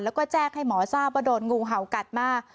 แล้วก็แจ้งให้หมอทราบว่าโดนงูเห่ากัดมาก